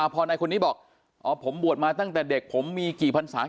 พอนายคนนี้บอกอ๋อผมบวชมาตั้งแต่เด็กผมมีกี่พันศา